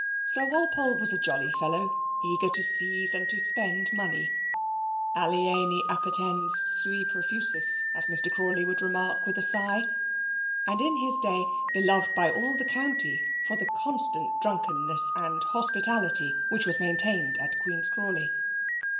Sir Walpole was a jolly fellow, eager to seize and to spend money (alieni appetens, sui profusus, as Mr. Crawley would remark with a sigh), and in his day beloved by all the county for the constant drunkenness and hospitality which was maintained at Queen's Crawley.